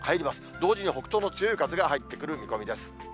同時に北東の強い風が入ってくる見込みです。